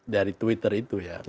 dari twitter itu ya